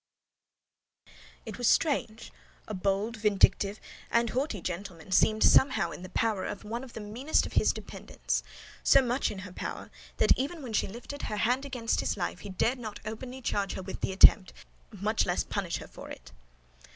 It was strange: a bold, vindictive, and haughty gentleman seemed somehow in the power of one of the meanest of his dependents; so much in her power, that even when she lifted her hand against his life, he dared not openly charge her with the attempt, much less punish her for it.